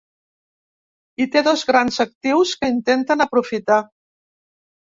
I té dos grans actius que intenten aprofitar.